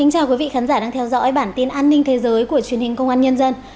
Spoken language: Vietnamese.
chào mừng quý vị đến với bản tin an ninh thế giới của truyền hình công an nhân dân